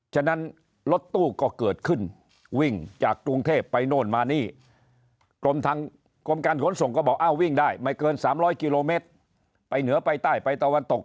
ฉะนั้นรถตู้ก็เกิดขึ้นวิ่งจากกรุงเทพไปโน่นมานี่กรมทางกรมการขนส่งก็บอกอ้าววิ่งได้ไม่เกิน๓๐๐กิโลเมตรไปเหนือไปใต้ไปตะวันตก